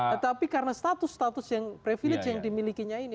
tetapi karena status status yang privilege yang dimilikinya ini